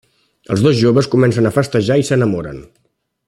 Els dos joves comencen a festejar i s’enamoren.